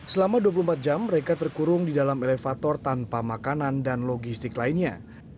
selama dua puluh empat jam mereka terkurung di dalam elevator tanpa makanan dan logistik lainnya